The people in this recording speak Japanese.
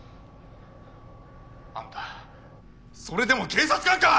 あんたそれでも警察官か！